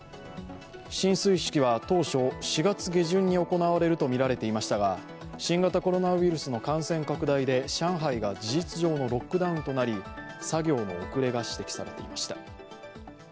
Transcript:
進水式は当初、４月下旬に行われるとみられていましたが新型コロナウイルスの感染拡大で上海が事実上のロックダウンとなり、作業の遅れが指摘されていました。